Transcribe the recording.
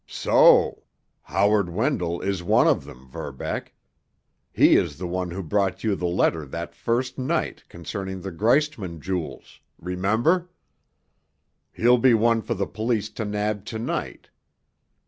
"So? Howard Wendell is one of them, Verbeck. He is the one who brought you the letter that first night concerning the Greistman jewels—remember? He'll be one for the police to nab to night.